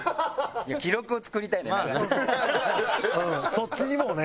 そっちにもうね